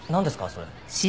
それ。